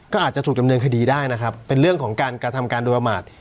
ก็อาจจะถูกดำเนินคดีได้นะครับเป็นเรื่องของการกระทำการโดยประมาท